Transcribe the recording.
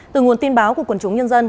từ nguồn tin báo của quần chúng nhân dân